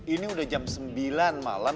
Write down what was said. ini udah jam sembilan malam